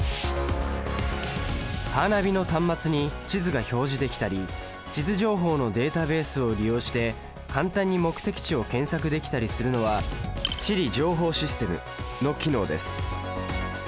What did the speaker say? カーナビの端末に地図が表示できたり地図情報のデータベースを利用して簡単に目的地を検索できたりするのは地理情報システムの機能です。